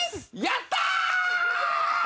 やったー！